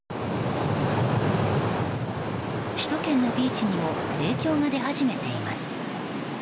首都圏のビーチにも影響が出始めています。